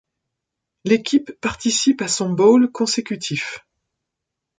L'équipe participe à son bowl consécutif.